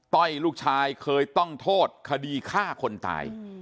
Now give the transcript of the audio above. ต้อยลูกชายเคยต้องโทษคดีฆ่าคนตาย